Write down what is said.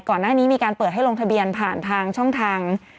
ก่อนหน้านี้มีการเปิดให้ลงทะเบียนผ่านทางช่องทาง